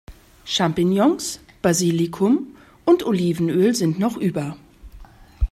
Champignons, Basilikum und Olivenöl sind noch über.